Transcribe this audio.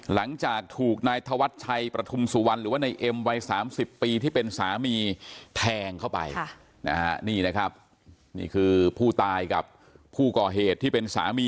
หลังจากถูกนายถวัดชัยประทุมสุวรรณหรือว่าในเอ็มวัย๓๐ปีที่เป็นสามีแทงเข้าไป